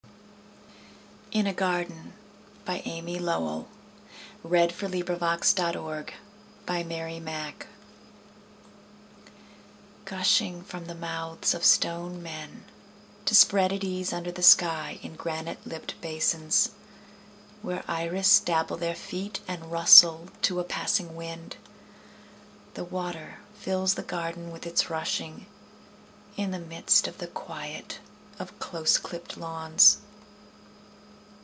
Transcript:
her it up from the dust, That its sparkle may amuse you. In a Garden Gushing from the mouths of stone men To spread at ease under the sky In granite lipped basins, Where iris dabble their feet And rustle to a passing wind, The water fills the garden with its rushing, In the midst of the quiet of close clipped lawns.